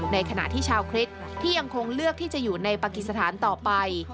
ในขณะที่ชาวคริสต์ที่ยังคงเลือกที่จะอยู่ในปากิสถานต่อไป